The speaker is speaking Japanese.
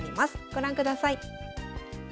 ご覧ください。